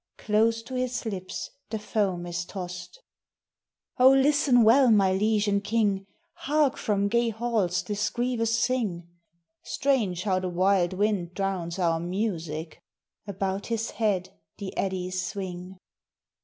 Close to his lips the foam is tossed. 'O listen well, my liege and king! Hark from gay halls this grievous thing!' 'Strange how the wild wind drowns our music!' About his head the eddies swing.